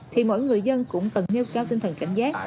thì mỗi người dân cũng cần nêu cao tinh thần cảnh giác